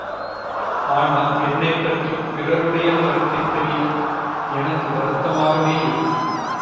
ஆனால், என்னைப் பற்றி பிறருடைய கருத்தைத் தெரிய எனக்கு வருத்தமாகவே இருக்கும்.